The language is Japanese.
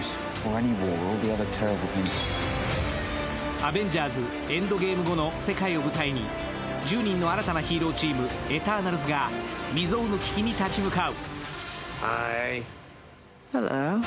「アベンジャーズ／エンドゲーム」後の世界を舞台に１０人の新たなヒーローチーム・エターナルズが未曾有の危機に立ち向かう。